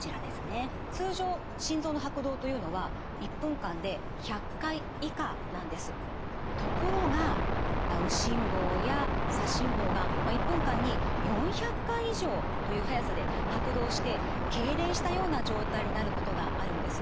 通常ところが右心房や左心房が１分間に４００回以上という速さで拍動してけいれんしたような状態になることがあるんです。